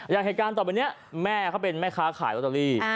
อย่างเหตุการณ์ต่อไปนี้แม่เขาเป็นแม่ค้าขายลอตเตอรี่